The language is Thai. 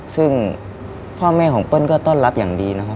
ซึ่งพ่อแม่ของเปิ้ลก็ต้อนรับอย่างดีนะครับ